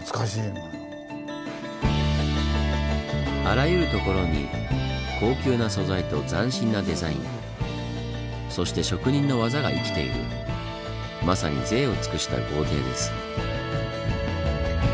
あらゆる所に高級な素材と斬新なデザインそして職人の技が生きているまさに贅を尽くした豪邸です。